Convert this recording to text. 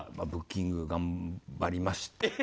ブッキング頑張りまして。